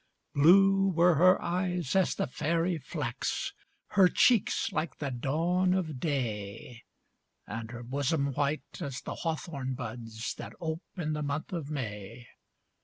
Blue were her eyes as the fairy flax, Her cheeks like the dawn of day, And her bosom white as the hawthorn buds, That ope in the month of May.